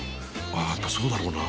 あやっぱそうだろうな。